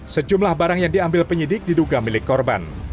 sejumlah barang yang diambil penyidik diduga milik korban